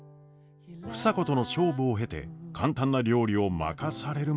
房子との勝負を経て簡単な料理を任されるまでになった暢子。